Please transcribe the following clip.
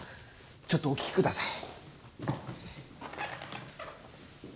ちょっとお聞きください。